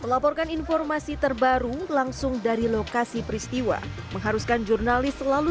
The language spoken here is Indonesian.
melaporkan informasi terbaru langsung dari lokasi peristiwa mengharuskan jurnalis selalu